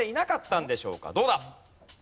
どうだ？